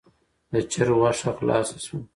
د چرګ غوښه خلاصه شوه.